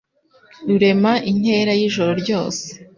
Rurema inkera y' ijoro ryose,